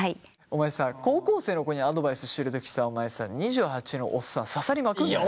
お前さ高校生の子にアドバイスしてるときさお前さ２８のおっさん刺さりまくるなよ。